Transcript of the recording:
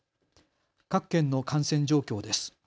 各県の感染状況です。